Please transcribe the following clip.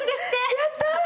やったー！